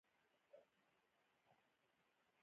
آیا دوی خپلې الوتکې نه ترمیموي؟